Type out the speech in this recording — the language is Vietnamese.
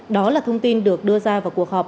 đó là thông tin được đưa ra vào cuộc họp